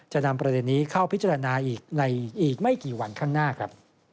จะนำประเด็นนี้เข้าพิจารณาอีกในอีกไม่กี่วันข้างหน้าครับ